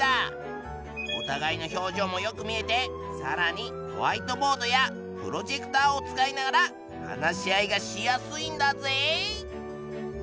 おたがいの表情もよく見えてさらにホワイトボードやプロジェクターを使いながら話し合いがしやすいんだぜ！